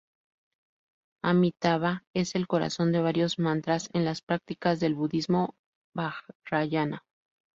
Amitābha es el corazón de varios mantras en las prácticas del Budismo Vajrayana.